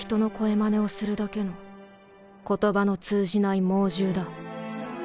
まねをするだけの言葉の通じない猛獣だ。